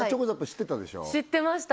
知ってました